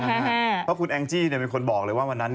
เพราะคุณแองจี้เป็นคนบอกเลยว่าวันนั้น